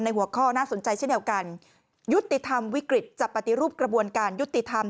หัวข้อน่าสนใจเช่นเดียวกันยุติธรรมวิกฤตจะปฏิรูปกระบวนการยุติธรรม